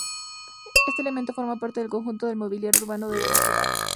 Este elemento forma parte del conjunto del mobiliario urbano de una ciudad.